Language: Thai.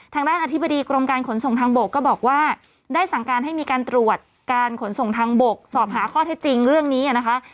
ทางด้านอธิบดีกรมการขนส่งทางบกก็บอกว่าได้สั่งการให้มีการตรวจการขนส่งทางบกสอบหาข้อเท็จจริงเรื่องนี้นะคะ